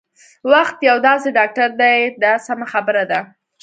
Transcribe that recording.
وخت یو داسې ډاکټر دی دا سمه خبره ده.